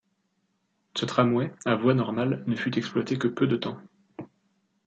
Ce tramway, à voie normale, ne fut exploité que peu de temps.